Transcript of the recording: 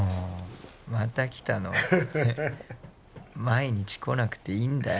毎日来なくていいんだよ。